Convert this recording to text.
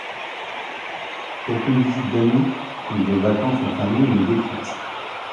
Aucune visite d'amis ou de vacances en famille n'est décrite.